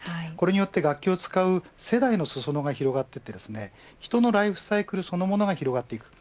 これによって、楽器を使う世代の裾野が広がっていって人のライフサイクルそのものが広がります。